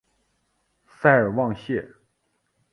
塞尔旺谢。